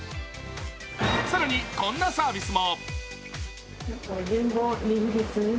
更に、こんなサービスも。